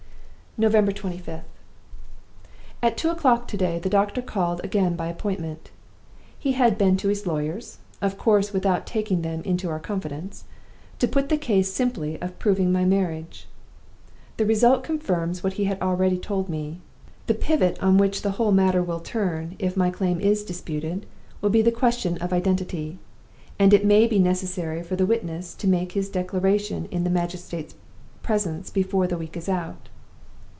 "November 25th. At two o'clock to day the doctor called again by appointment. He has been to his lawyers (of course without taking them into our confidence) to put the case simply of proving my marriage. The result confirms what he has already told me. The pivot on which the whole matter will turn, if my claim is disputed, will be the question of identity; and it may be necessary for the witness to make his Declaration in the magistrate's presence before the week is out.